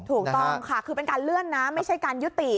ถูกต้องค่ะคือเป็นการเลื่อนนะไม่ใช่การยุติ